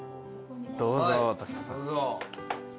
どうぞ常田さん。